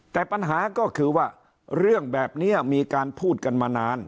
แต่ปัญหาก็คือว่าเรื่องแบบนี้มีการพูดกันมานาน